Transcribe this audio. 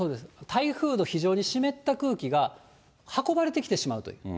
台風の非常に湿った空気が運ばれてきてしまうという。